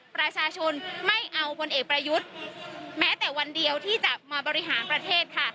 ประชาชนไม่เอาพลเอกประยุทธ์แม้แต่วันเดียวที่จะมาบริหารประเทศค่ะ